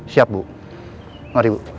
siap bu mari bu